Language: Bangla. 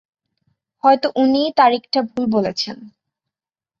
হয়তো উনিই তারিখটা ভুল বলেছেন।